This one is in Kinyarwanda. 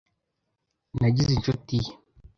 Nagize inshuti ye.